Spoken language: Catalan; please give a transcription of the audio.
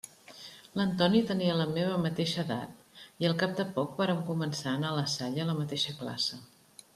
L'Antoni tenia la meva mateixa edat, i al cap de poc vàrem començar a anar a la Salle a la mateixa classe.